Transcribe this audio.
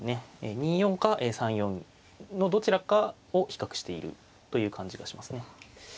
２四か３四のどちらかを比較しているという感じがしますね。